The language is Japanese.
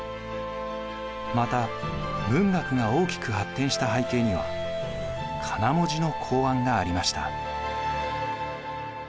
また文学が大きく発展した背景にはかな文字の考案がありました。